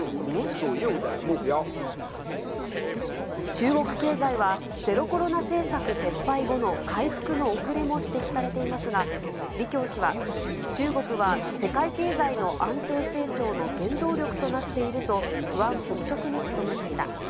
中国経済は、ゼロコロナ政策撤廃後の回復の遅れも指摘されていますが、李強氏は、中国は世界経済の安定成長の原動力となっていると不安払拭に努めました。